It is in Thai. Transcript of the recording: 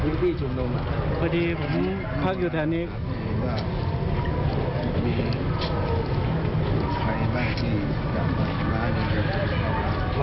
แล้วยังไงแล้วคุณหาได้ไหม